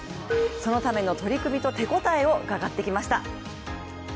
そのための取り組みと手応えを伺ってきました。